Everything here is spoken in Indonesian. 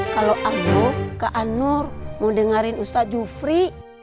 kalau ambo ke anur mau dengarin ustadz jufri